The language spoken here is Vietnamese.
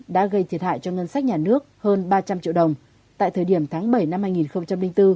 đã gây thiệt hại cho ngân sách nhà nước hơn ba trăm linh triệu đồng tại thời điểm tháng bảy năm hai nghìn bốn